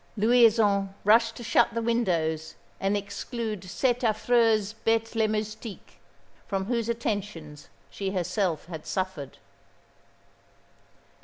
Louison rushed to shut the windows and exclude cette affreuse bête le moustique, from whose attentions she herself had suffered.